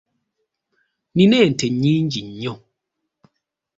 Nina ente nnyingi nnyo.